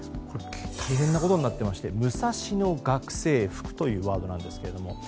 大変なことになっていましてムサシノ学生服というワードなんですけど。